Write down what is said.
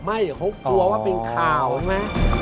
ไม่เดี๋ยวเขาก็กลัวว่าเป็นข่าวนะ